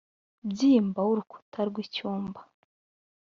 byimba w urukuta rw icyumba